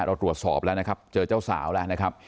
เราตรวจสอบแล้วนะครับเจอเจ้าสาวแล้วนะครับ